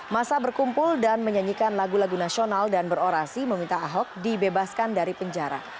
masa berkumpul dan menyanyikan lagu lagu nasional dan berorasi meminta ahok dibebaskan dari penjara